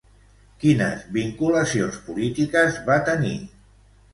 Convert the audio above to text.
Quines vinculacions polítiques va tenir?